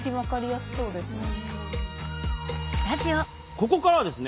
ここからはですね